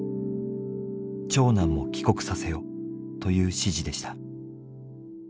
「長男も帰国させよ」という指示でした。